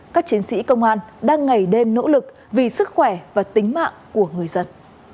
các chiến sĩ công an đang ngày đêm nỗ lực vì sức khỏe và tính mạng của người dân